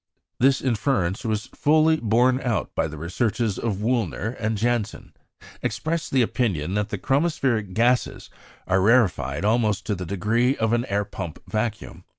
This inference was fully borne out by the researches of Wüllner; and Janssen expressed the opinion that the chromospheric gases are rarefied almost to the degree of an air pump vacuum.